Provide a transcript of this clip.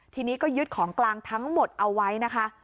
ทีนี้ก็ยึดของกลางทั้งหมดเอาไว้นะคะ